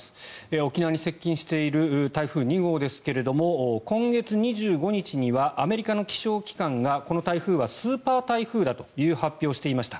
沖縄に接近している台風２号ですけども今月２５日にはアメリカの気象機関がこの台風はスーパー台風だという発表をしていました。